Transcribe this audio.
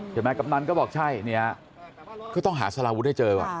เห็นไหมกำนันต์ก็บอกใช่ก็ต้องหาสลาวุฒิได้เจอ